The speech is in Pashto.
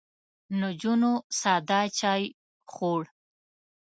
نجونو ساده چای خوړ.